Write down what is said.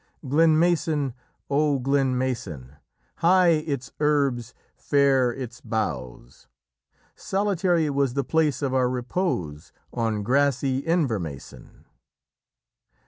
Glenmasan! O Glenmasan! High its herbs, fair its boughs. Solitary was the place of our repose On grassy Invermasan.